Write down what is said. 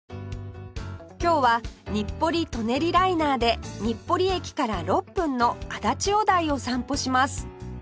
今日は日暮里・舎人ライナーで日暮里駅から６分の足立小台を散歩します